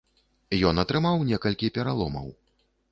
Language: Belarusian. Ён атрымаў некалькі пераломаў.